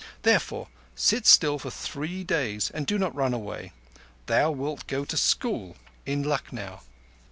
Therefore sit still for three days and do not run away. Thou wilt go to school at Lucknow."